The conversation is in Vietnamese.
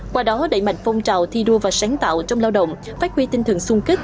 qua đó đẩy mạnh phong trào thi đua và sáng tạo trong lao động phát huy tinh thần sung kích